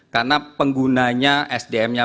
karena penggunanya sdm nya